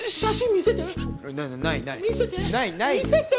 見せて！